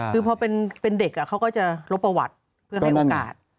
คือพอเป็นเด็กเขาก็จะลบประวัติเพื่อให้โอกาส